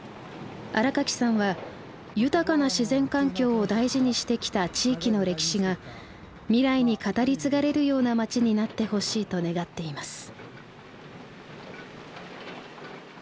新垣さんは豊かな自然環境を大事にしてきた地域の歴史が未来に語り継がれるような街になってほしいと願っています。